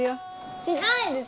しないです！